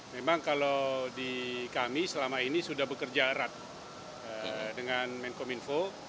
memang kalau di kami selama ini sudah bekerja erat dengan menkom info